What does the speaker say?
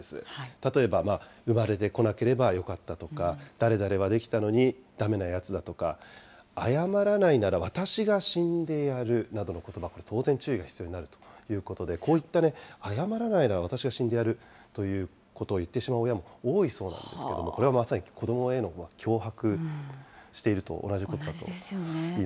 例えば生まれてこなければよかったとか、誰々はできたのに、だめなやつだとか、謝らないなら私が死んでやるなどのことば、これ当然、注意が必要になるということで、こういった謝らないなら私が死んでやるということを言ってしまう親も多いそうなんですけれども、これはまさに子どもへの脅迫していることと同じことだといい同じですよね。